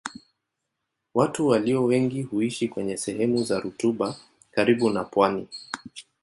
Watu walio wengi huishi kwenye sehemu za rutuba karibu na pwani.